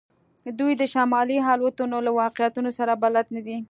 دوی د شمالي الوتنو له واقعیتونو سره بلد نه دي